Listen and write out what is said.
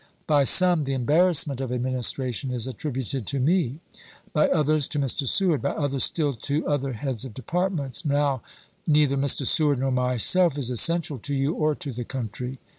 By some the embarrassment of administration is attributed to me ; by others, to Mr. Seward ; by others still, to other heads of Departments. Now neither Mr. Seward nor myself is essential to you or to the country.